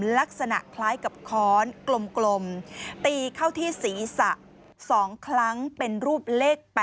ลักษณะคล้ายกับค้อนกลมตีเข้าที่ศีรษะ๒ครั้งเป็นรูปเลข๘